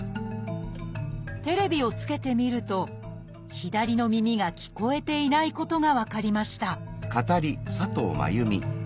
テレビをつけてみると左の耳が聞こえていないことが分かりました